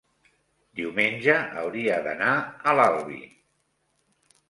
diumenge hauria d'anar a l'Albi.